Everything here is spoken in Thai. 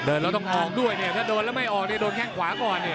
แล้วต้องออกด้วยเนี่ยถ้าโดนแล้วไม่ออกเนี่ยโดนแข้งขวาก่อนเนี่ย